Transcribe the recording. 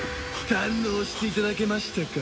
堪能していただけましたか？